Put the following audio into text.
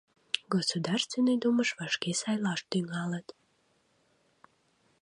Государственный думыш вашке сайлаш тӱҥалыт.